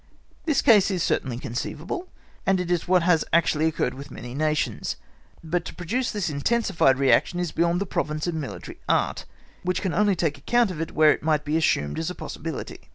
This case is certainly conceivable, and it is what has actually occurred with many Nations. But to produce this intensified reaction is beyond the province of military art, which can only take account of it where it might be assumed as a possibility.